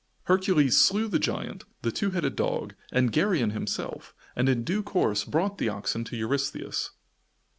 Hercules slew the giant, the two headed dog and Geryon himself, and in due course brought the oxen to Eurystheus.